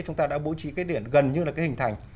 chúng ta đã bố trí cái điện gần như là cái hình thành